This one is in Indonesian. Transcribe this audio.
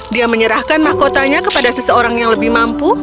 dia menyerahkan mahkotanya kepada seseorang yang lebih mampu